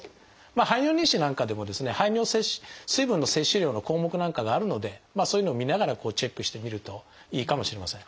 排尿日誌なんかでも水分の摂取量の項目なんかがあるのでそういうのを見ながらチェックしてみるといいかもしれません。